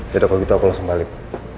jadah kok gitu aku langsung balik